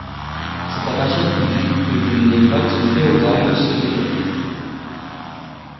C'est à partir du que les mottes féodales se développent.